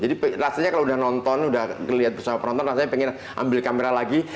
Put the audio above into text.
jadi rasanya kalau udah nonton udah ngelihat bersama penonton rasanya pengen ambil kamera lagi